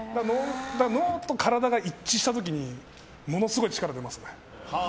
脳と体が一致した時にものすごい力が出ますね。